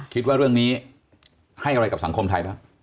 คิดว่าเรื่องนี้ให้อะไรกับสังคมไทยบ้าง